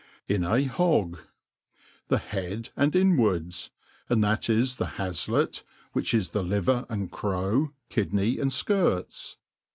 In a Hog^^ THE head arid inwards ; and that is the haffct, which is the liver and crow, kidney and ikirts.